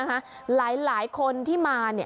หลายคนที่มา